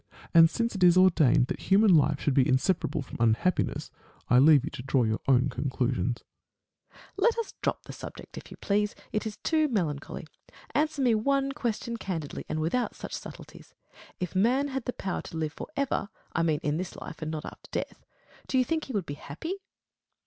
And since it is ordained that human life should be inseparable from unhappiness, I leave you to draw your own conclusions. liat Phil. Let us drop the subject, if you please ; it is too melancholy. Answer me one question candidly, and without such subtleties. If man had the power to live for ever, I mean in this life and not after death, do you think he would be happy